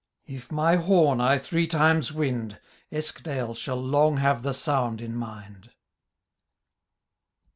If my horn I three times wind, Eskdale shall long have the soimd in mind